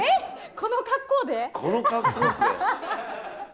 この格好で、だよ。